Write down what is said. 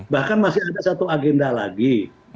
bahkan masih ada satu agenda lagi